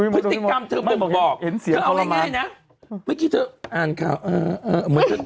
พฤติกรรมเธอบอกเอ็นเสียงทรมานเมื่อกี้เธออ่านข่าวเออเออ